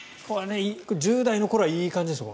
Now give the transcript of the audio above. １０代の頃はいい感じですよ。